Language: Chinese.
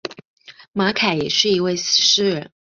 马凯也是一位诗人。